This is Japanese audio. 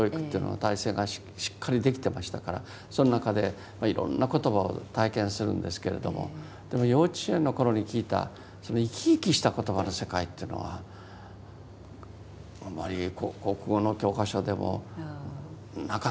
体制がしっかりできてましたからその中でいろんな言葉を体験するんですけれどもでも幼稚園の頃に聞いたその生き生きした言葉の世界っていうのはあまり国語の教科書でもなかったですよね。